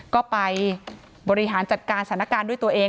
ก็ไปบริหารจัดการสถานการณ์ด้วยตัวเอง